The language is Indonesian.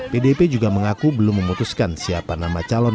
pdip juga mengaku belum memutuskan siapa nama calon